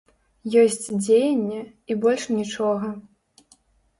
Ёсць дзеянне, і больш нічога.